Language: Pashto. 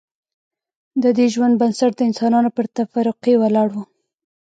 ددې ژوند بنسټ د انسانانو پر تفرقې ولاړ و